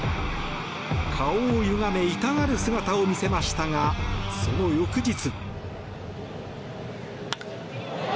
顔をゆがめ痛がる姿を見せましたがその翌日。